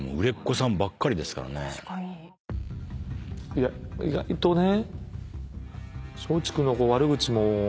いや意外とね。